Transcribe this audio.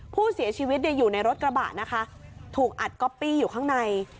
ผู้เสียชีวิตอยู่ในรถกระบะนะคะถูกอัดก๊อปปี้อยู่ข้างใน